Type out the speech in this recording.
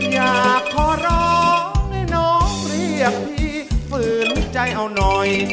อยากขอร้องให้น้องเรียกพี่ฝืนใจเอาหน่อย